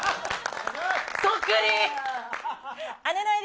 そっくり。